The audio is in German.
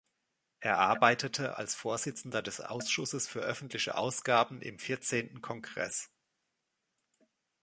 Er arbeitete als Vorsitzender des Ausschusses für öffentliche Ausgaben im Vierzehnten Kongress.